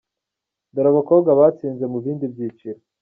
Dore abakobwa batsinze mu bindi byiciro :.